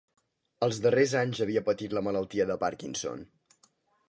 Els darrers anys havia patit la malaltia de Parkinson.